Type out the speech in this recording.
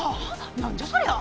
何じゃそりゃ！